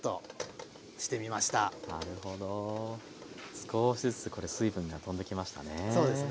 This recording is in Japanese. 少しずつこれ水分がとんできましたね。